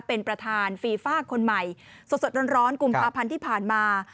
เป็นประธานฟีฟ่าคนใหม่สดร้อนกุมภาพันธ์ที่ผ่านมา